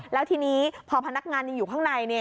แล้วทีนี้พอพนักงานยังอยู่ข้างในเนี่ย